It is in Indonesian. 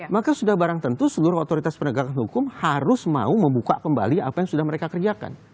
maka sudah barang tentu seluruh otoritas penegakan hukum harus mau membuka kembali apa yang sudah mereka kerjakan